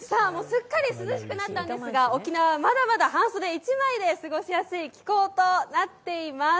すっかり涼しくなってきたんですが、沖縄、まだまだ半袖１枚で過ごしやすい気候となっています。